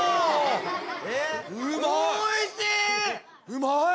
うまい！